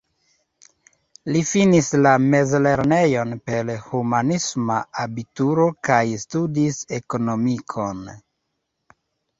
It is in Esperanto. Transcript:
Li finis la mezlernejon per humanisma abituro kaj studis ekonomikon.